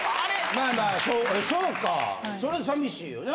まあまあそうかそれ寂しいよな。